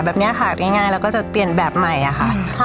แบบนี้ค่ะง่ายแล้วก็จะเปลี่ยนแบบใหม่อะค่ะ